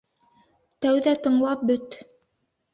Тәүҙә тыңлап бөт.